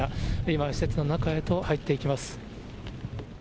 今、施設の中へと入っていきます。